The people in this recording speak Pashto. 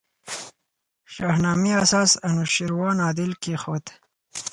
شاهنامې اساس انوشېروان عادل کښېښود.